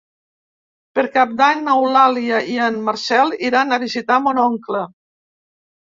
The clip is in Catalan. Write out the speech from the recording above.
Per Cap d'Any n'Eulàlia i en Marcel iran a visitar mon oncle.